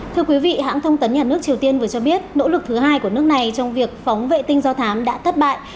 thưa quý vị hãng thông tấn nhà nước triều tiên vừa cho biết nỗ lực thứ hai của nước này trong việc phóng vệ tinh do thám đã thất bại